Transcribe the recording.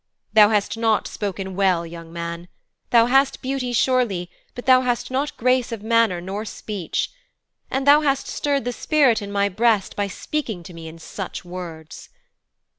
'Thou hast not spoken well, young man. Thou hast beauty surely, but thou hast not grace of manner nor speech. And thou hast stirred the spirit in my breast by speaking to me in such words.'